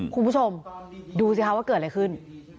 คุณผู้ชมดูสิคะว่าเกิดอะไรขึ้น